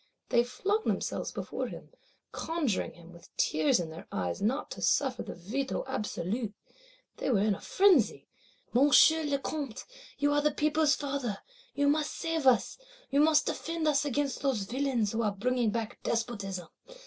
They flung themselves before him; conjuring him with tears in their eyes not to suffer the Veto Absolu. They were in a frenzy: 'Monsieur le Comte, you are the people's father; you must save us; you must defend us against those villains who are bringing back Despotism.